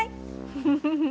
フフフフ。